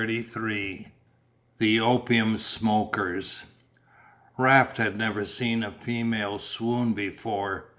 CHAPTER XXXII THE OPIUM SMOKERS Raft had never seen a female swoon before.